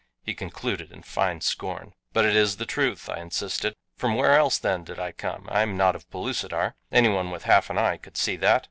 he concluded in fine scorn. "But it is the truth," I insisted. "From where else then did I come? I am not of Pellucidar. Anyone with half an eye could see that."